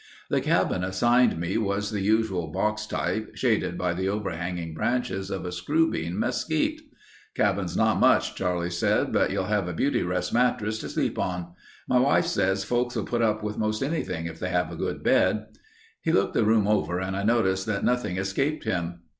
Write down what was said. The cabin assigned me was the usual box type, shaded by the overhanging branches of a screwbean mesquite. "Cabin's not much," Charlie said, "but you'll have a Beauty Rest mattress to sleep on. My wife says folks'll put up with most anything if they have a good bed." He looked the room over and I noticed that nothing escaped him.